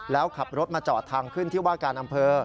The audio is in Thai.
แล้วขับรถมาจอดทางขึ้นที่ว่าการอำเภอ